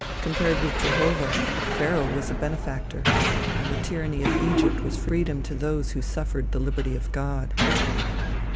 Compared with Jehovah, Pharaoh was a benefactor, and the tyranny of Egypt was freedom to those who suffered the liberty of God.